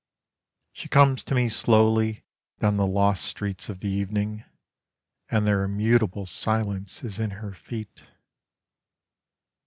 She comes to me slowly down the lost streets of the evening, And their immutable silence is in her feet.